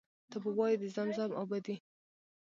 ته به وایې د زمزم اوبه دي.